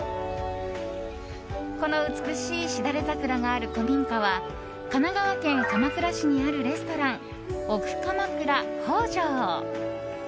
この美しいシダレザクラがある古民家は神奈川県鎌倉市にあるレストラン奥鎌倉北條。